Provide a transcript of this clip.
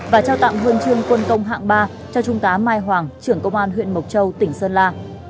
và trao tặng huân chương quân công hạng ba cho trung tá mai hoàng trưởng công an huyện mộc châu tỉnh sơn la